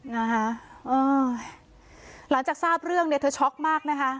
นะคะเออหลังจากทราบเรื่องเนี่ยเธอช็อกมากนะคะ